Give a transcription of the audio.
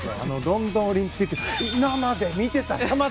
ロンドンオリンピック今まで見てた。